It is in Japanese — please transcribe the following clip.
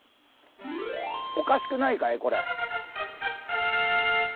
おかしくないかいこれ？